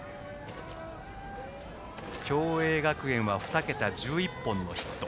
共栄学園は２桁１１本のヒット。